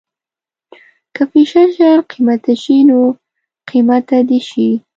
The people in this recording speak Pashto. که فیشن شيان قیمته شي نو قیمته دې شي.